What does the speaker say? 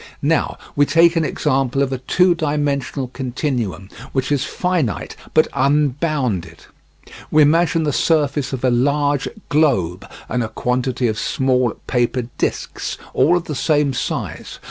Now we take an example of a two dimensional continuum which is finite, but unbounded. We imagine the surface of a large globe and a quantity of small paper discs, all of the same size.